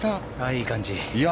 いい感じ。